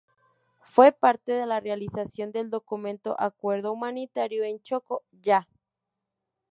Fue parte de la realización del documento "Acuerdo Humanitario en Chocó ¡Ya!